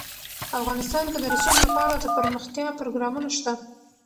افغانستان کې د رسوب لپاره دپرمختیا پروګرامونه شته.